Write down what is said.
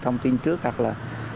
thông tin trước hoặc là